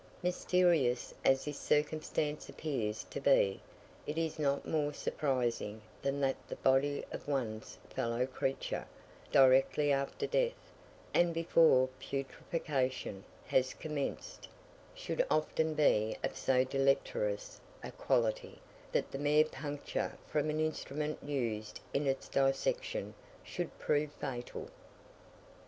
Mysterious as this circumstance appears to be, it is not more surprising than that the body of one's fellow creature, directly after death, and before putrefaction has commenced, should often be of so deleterious a quality, that the mere puncture from an instrument used in its dissection, should prove fatal.